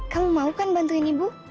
kamu mau kan bantuin ibu